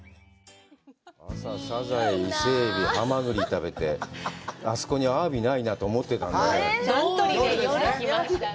サザエ、イセエビ、ハマグリを食べて、あそこにアワビがないなと思ってたんだよね。